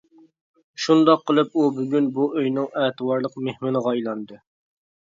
شۇنداق قىلىپ ئۇ بۈگۈن بۇ ئۆينىڭ ئەتىۋارلىق مېھمىنىغا ئايلاندى.